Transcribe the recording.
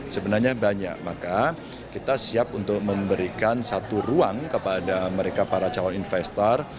sebenarnya banyak maka kita siap untuk memberikan satu ruang kepada mereka para calon investor